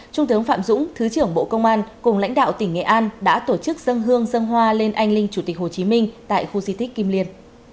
trung tướng phạm dũng thứ trưởng bộ công an cùng lãnh đạo tỉnh nghệ an đã tổ chức dân hương dân hoa lên anh linh chủ tịch hồ chí minh tại khu di tích kim liên